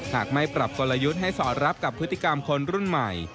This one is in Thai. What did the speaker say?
หากไม่ปรับกลยุทธ์ให้สอดรับกับพฤติกรรมคนรุ่นใหม่